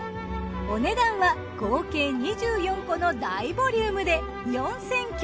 お値段は合計２４個の大ボリュームで。